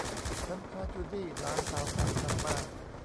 ฉันพาจูดี้ หลานสาวของฉันมา